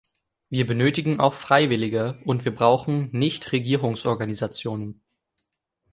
Wir benötigen auch Freiwillige, und wir brauchen Nichtregierungsorganisationen.